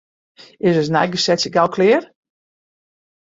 Is ús neigesetsje gau klear?